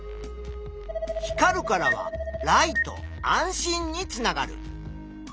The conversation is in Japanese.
「光る」からは「ライト」「安心」につながる。